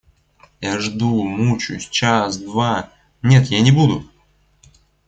Я жду, мучаюсь, час, два... Нет, я не буду!..